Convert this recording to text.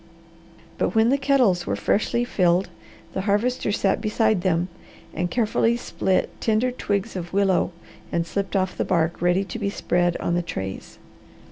But when the kettles were freshly filled the Harvester sat beside them and carefully split tender twigs of willow and slipped off the bark ready to be spread on the trays.